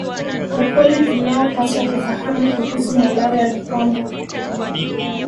Ukweli tunaopaswa kufahamu kuhusu malaria ni kwamba